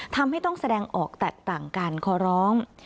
ทำให้ต้องแสดงออกแตกต่างกันขอร้อง